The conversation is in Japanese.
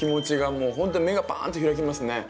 もうほんとに目がバーンと開きますね。